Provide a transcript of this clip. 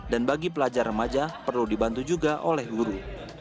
dan bagi pelajar remaja perlu dibantu juga oleh guru